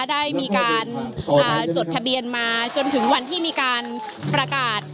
ได้มีการจดทะเบียนมาจนถึงวันที่มีการประกาศ